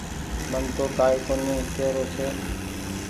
مين تو ڪآئي ڪونيٚ ڪي رو ڇي۔